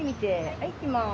はいいきます。